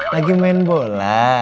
lagi main bola